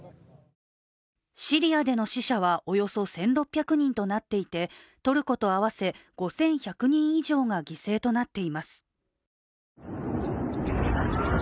シリアでの死者はおよそ１６００人となっていてトルコと合わせ５１００人以上が犠牲となっています。